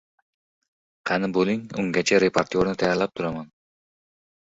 Qani, bo‘ling. Ungacha reportyorni tayyorlab turaman.